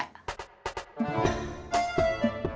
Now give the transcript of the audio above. wk dah selesai